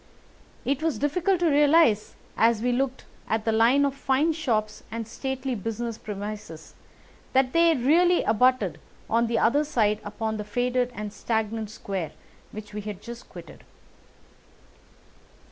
It was difficult to realise as we looked at the line of fine shops and stately business premises that they really abutted on the other side upon the faded and stagnant square which we had just quitted.